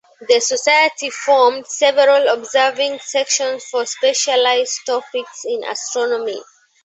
The society formed several observing Sections for specialised topics in astronomy.